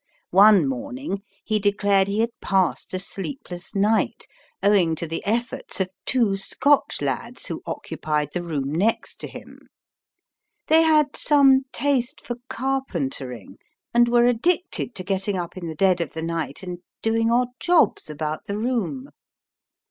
One morning he declared he had passed a sleepless night owing to the efforts of two Scotch lads who occupied the room next to him. They had some taste for carpentering, and were addicted to getting up in the dead of the night and doing odd jobs about the room.